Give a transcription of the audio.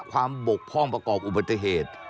บกพร่องประกอบอุบัติเหตุ